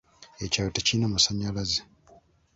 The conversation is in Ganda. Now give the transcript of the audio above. Ekyalo tekirina masannyalaze.